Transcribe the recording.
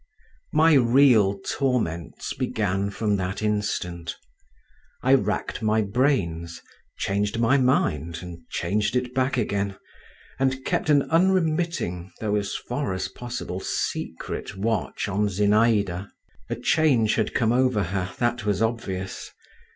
X My real torments began from that instant. I racked my brains, changed my mind, and changed it back again, and kept an unremitting, though, as far as possible, secret watch on Zinaïda. A change had come over her, that was obvious.